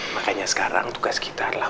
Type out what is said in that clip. makanya sekarang tugas kita adalah